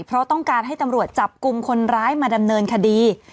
เพราะต้องการให้ตำรวจจับกลุ่มคนร้ายมาดำเนินคดี